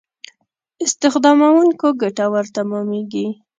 استخداموونکو ګټور تمامېږي.